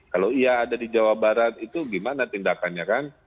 kalau iya ada di jawa barat itu gimana tindakannya kan